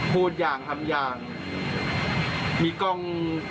พูดอย่างทำอย่างมีกล้อง